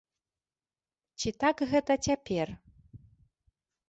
Ці так гэта цяпер?